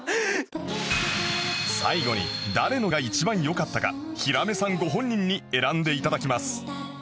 最後に誰のが一番良かったかひらめさんご本人に選んでいただきます